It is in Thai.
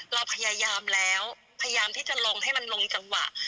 เราพยายามแล้วพยายามที่จะลงให้มันลงจังหวะ